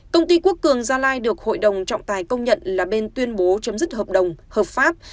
công ty quốc cường gia lai được hội đồng trọng tài công nhận là bên tuyên bố chấm dứt hợp đồng hợp pháp